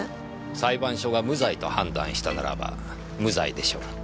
裁判所が無罪と判断したならば無罪でしょう。